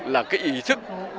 là cái ý thức